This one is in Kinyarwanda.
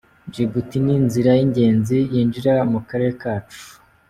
Djibouti ni inzira y’ingenzi yinjira mu karere kacu.